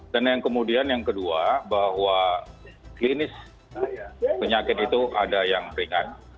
dan yang kemudian yang kedua bahwa klinis penyakit itu ada yang ringan